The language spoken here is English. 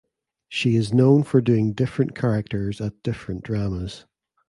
She is known for doing different characters at different dramas.